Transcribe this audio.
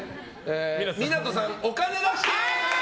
港さん、お金出して！